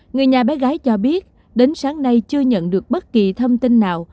người nhà bé gái cho biết đến sáng nay chưa nhận được bất kỳ thông tin nào